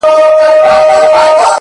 • بس همدغه لېونتوب یې وو ښودلی,,!